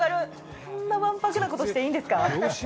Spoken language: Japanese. こんなわんぱくなことしていいんですか？